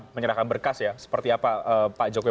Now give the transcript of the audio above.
menyerahkan berkas ya seperti apa pak jokowi